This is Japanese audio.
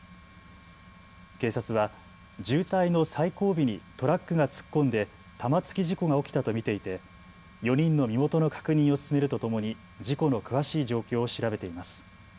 警察は渋滞の最後尾にトラックが突っ込んで玉突き事故が起きたと見ていて、４人の身元の確認を進めるとともに事故の詳しい状況を調べています。